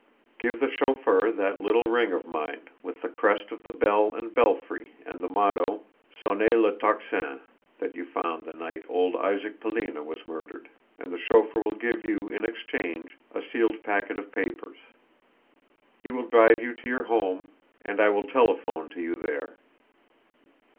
Give the chauffeur that little ring of mine with the crest of the bell and belfry and the motto, 'Sonnez le Tocsin,' that you found the night old Isaac Pelina was murdered, and the chauffeur will give you in exchange a sealed packet of papers. He will drive you to your home, and I will telephone to you there.